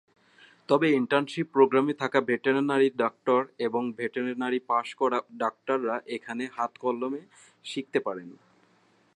তবে ইন্টার্নশিপ প্রোগ্রামে থাকা ভেটেরিনারি ডাক্তার এবং ভেটেরিনারি পাশ করা ডাক্তাররা এখানে হাতে কলমে শিখতে পারবেন।